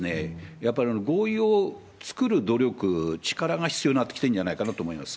やっぱり合意を作る努力、力が必要になってきてんじゃないかなと思います。